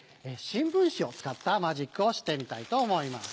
新聞紙を使ったマジックをしてみたいと思います。